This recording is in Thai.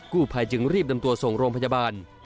ผู้ภัยจึงรีบนำตัวส่งโรงพยาบาล